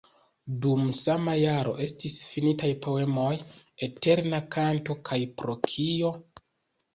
Dum sama jaro estis finitaj poemoj "Eterna kanto" kaj "Pro kio?".